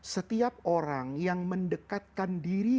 setiap orang yang mendekatkan diri